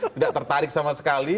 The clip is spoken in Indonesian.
tidak tertarik sama sekali